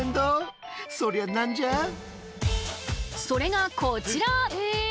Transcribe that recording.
それがこちら！